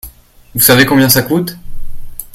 Vous savez combien ça coûte ?